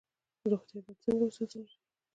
روغتیا باید څنګه وساتل شي؟